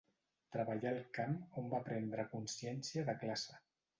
Treballà al camp on va prendre consciència de classe.